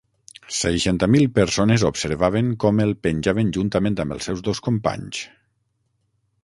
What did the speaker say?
Seixanta mil persones observaven com el penjaven juntament amb els seus dos companys.